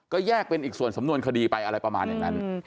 ก็แยกเป็นอีกส่วนสำนวนคดีไปอะไรประมาณอย่างนั้น